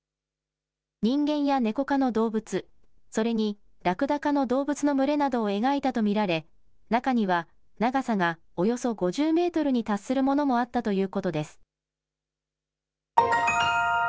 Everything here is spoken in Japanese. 人間やネコ科の動物、それにラクダ科の動物の群れなどを描いたと見られ、中には長さがおよそ５０メートルに達するものもあったということです。